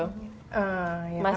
masih ngantri banget